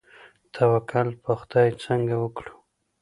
توکل په خدای څنګه وکړو؟